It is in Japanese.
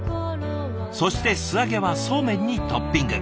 そして素揚げはそうめんにトッピング。